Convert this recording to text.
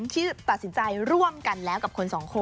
ที่ตัดสินใจร่วมกันแล้วกับคนสองคน